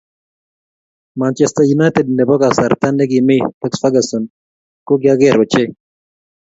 Manchester united ne bo kasarta ne kimii Lex Furguson ko ki ang'er ochei